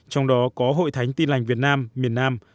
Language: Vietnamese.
trong đó có hội thánh tin lành việt nam miền nam